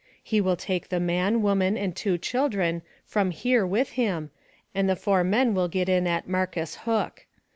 He will take the man, woman and two children from here with him, and the four men will get in at Marcus Hook.